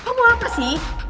kamu apa sih